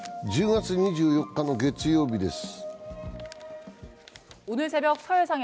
１０月２４日の月曜日です。